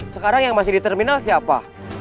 sekarang yang masih di terminal siapa